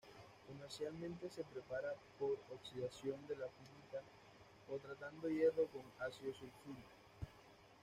Comercialmente se prepara por oxidación de la pirita, o tratando hierro con ácido sulfúrico.